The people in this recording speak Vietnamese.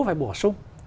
phải bổ sung